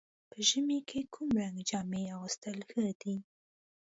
په ژمي کې کوم رنګ جامې اغوستل ښه دي؟